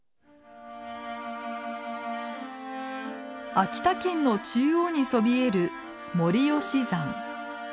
秋田県の中央にそびえる森吉山。